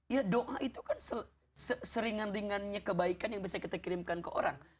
ya doa itu kan seringan ringannya kebaikan yang bisa kita kirimkan ke orang